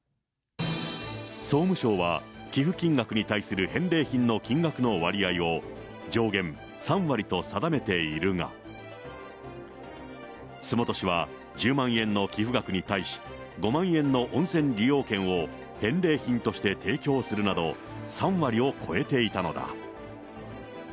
総務省は寄付金額に対する返礼品の金額の割合を上限３割と定めているが、洲本市は１０万円の寄付額に対し、５万円の温泉利用券を返礼品として提供するなど、３割を超えていたのだ。